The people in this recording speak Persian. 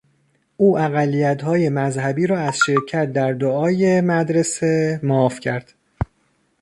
او اقلیتهای مذهبی را از شرکت در دعای مدرسه معاف کرد.